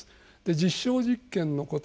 実証実験のこと